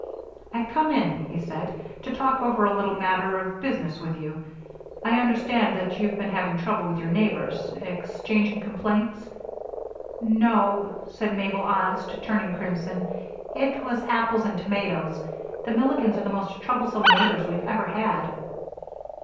"I've come in," he said, "to talk over a little matter of business with you. I understand that you've been having trouble with your neighbors exchanging compliments " "No," said honest Mabel, turning crimson, "it was apples and tomatoes. The Milligans are the most troublesome neighbors we've ever had."